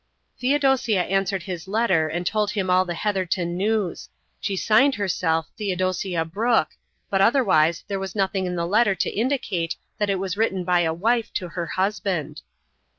Theodosia answered his letter and told him all the Heatherton news. She signed herself "Theodosia Brooke," but otherwise there was nothing in the letter to indicate that it was written by a wife to her husband.